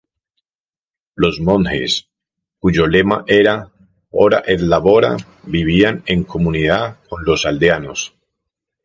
Los monjes, cuyo lema era "ora et labora" vivían en comunidad con los aldeanos.